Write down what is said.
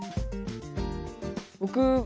僕